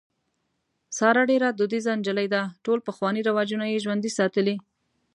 ساره ډېره دودیزه نجلۍ ده. ټول پخواني رواجونه یې ژوندي ساتلي.